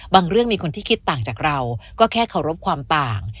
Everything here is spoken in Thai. เรื่องมีคนที่คิดต่างจากเราก็แค่เคารพความต่าง